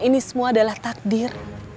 ini semua adalah takdir